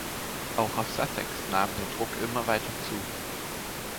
Auch auf Sussex nahm der Druck immer weiter zu.